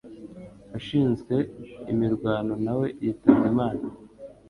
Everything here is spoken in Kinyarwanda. Ushinzwe imirwano nawe yitabye imana